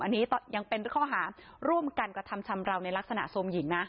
อันนี้ยังเป็นข้อหาร่วมกันกระทำชำราวในลักษณะโทรมหญิงนะ